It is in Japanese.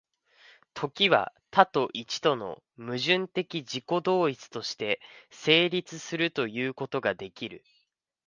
時は多と一との矛盾的自己同一として成立するということができる。